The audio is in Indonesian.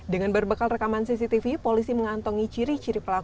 dengan berbekal rekaman cctv polisi mengantongi ciri ciri pelaku